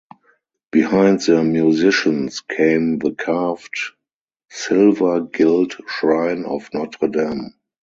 Behind the musicians came the carved silver-gilt shrine of Notre Dame.